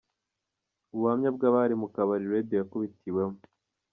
Ubuhamya bw’abari mu kabari Radio yakubitiwemo.